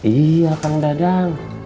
iya kang dadang